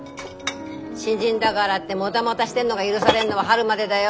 新人だがらってモタモタしてんのが許されんのは春までだよ！